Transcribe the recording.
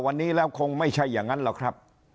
วันนี้แล้วคงไม่ใช่อย่างนั้นหรอกครับ